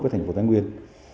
với thành phố thái nguyên